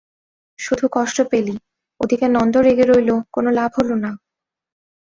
শুধু কষ্ট পেলি, ওদিকে নন্দ রেগে রইল, কোনো লাভ হল না।